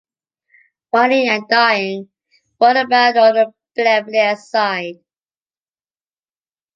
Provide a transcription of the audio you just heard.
Whitening and dyeing were abound on the Bièvre side.